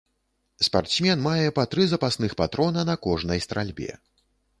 Спартсмен мае па тры запасных патрона на кожнай стральбе.